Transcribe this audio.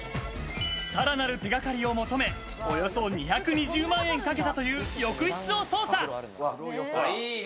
さらなる手掛かりを求め、およそ２２０万円かけたという浴室を捜査。